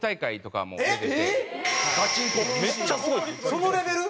そのレベル？